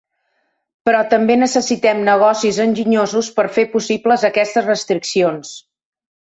Però també necessitem negocis enginyosos per fer possibles aquestes restriccions.